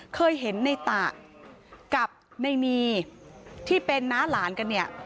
เคยเห็นในตะกับในมีที่เป็นน้าหลานกันเนี่ย